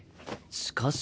しかし。